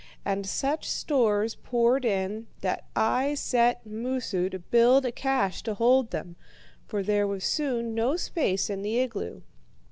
And such stores poured in that I set Moosu to build a cache to hold them, for there was soon no space in the igloo.